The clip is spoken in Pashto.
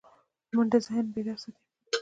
منډه ذهن بیدار ساتي